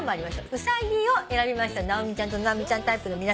「うさぎ」を選びました直美ちゃんと直美ちゃんタイプの皆さん。